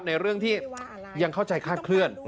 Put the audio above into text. ในเรื่องที่ยังเข้าใจคาดเคลื่อน